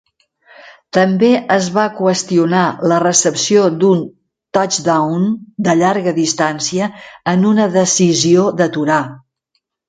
També es va qüestionar la recepció d'un touchdown de llarga distància en una decisió d'aturar.